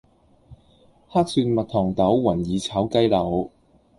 黑蒜蜜糖豆雲耳炒雞柳